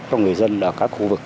cho người dân ở các khu vực